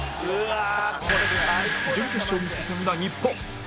準決勝に進んだ日本